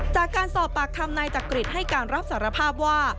จากการสอบปากคำนายจักริตให้การรับสารภาพว่า